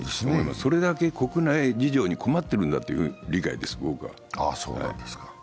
それだけ国内事情に困ってるんだという理解です、僕は。